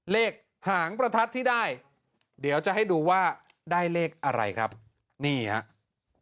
หางประทัดที่ได้เดี๋ยวจะให้ดูว่าได้เลขอะไรครับนี่ครับ